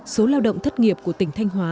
số lao động thất nghiệp của tỉnh thanh hóa